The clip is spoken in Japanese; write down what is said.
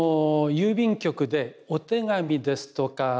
郵便局でお手紙ですとか